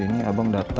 kau melawan dia